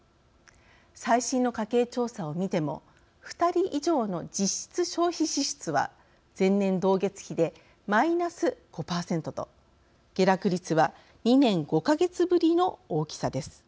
最新の家計調査を見ても２人以上の実質消費支出は前年同月比で−５％と下落率は２年５か月ぶりの大きさです。